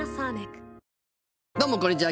どうもこんにちは。